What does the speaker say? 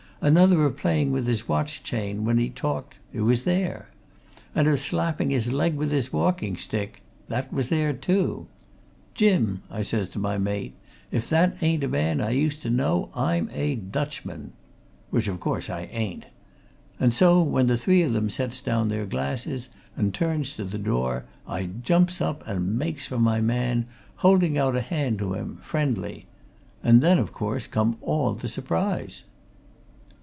Another of playing with his watch chain when he talked it was there! And of slapping his leg with his walking stick that was there, too! 'Jim!' I says to my mate, 'if that ain't a man I used to know, I'm a Dutchman!' Which, of course, I ain't. And so, when the three of 'em sets down their glasses and turns to the door, I jumps up and makes for my man, holding out a hand to him, friendly. And then, of course, come all the surprise!"